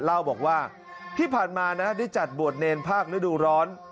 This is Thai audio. เล่าบอกว่าที่ผ่านมานะได้จัดบวชเนรภาคฤดูร้อน